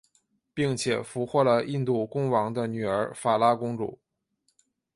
并且俘获了印度公王的女儿法拉公主。